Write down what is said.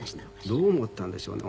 どう思ったんでしょうね。